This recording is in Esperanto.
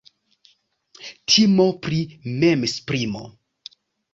Timo pri memesprimo.